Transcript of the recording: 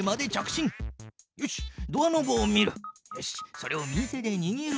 それを右手でにぎる。